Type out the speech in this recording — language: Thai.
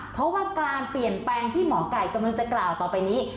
เพราะว่าการเปลี่ยนแปลงที่หมอไก่กำลังจะกล่าวต่อไปนี้